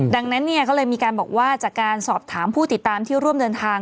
ดังนั้นเนี่ยก็เลยมีการบอกว่าจากการสอบถามผู้ติดตามที่ร่วมเดินทาง